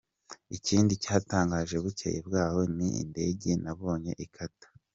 Ikindi cyantangaje bukeye bwaho ni indege nabonye ikata.